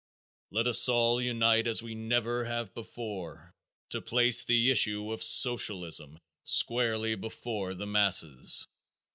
Let us all unite as we never have before to place the issue of Socialism squarely before the masses.